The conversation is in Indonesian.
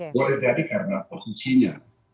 boleh jadi karena posisinya